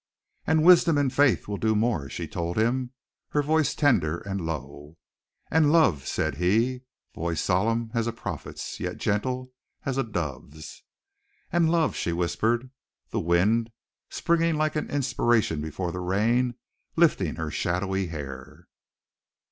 "And wisdom and faith will do more," she told him, her voice tender and low. "And love," said he, voice solemn as a prophet's, yet gentle as a dove's. "And love," she whispered, the wind, springing like an inspiration before the rain, lifting her shadowy hair.